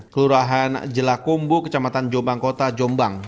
kelurahan jelakombo kecamatan jombang kota jombang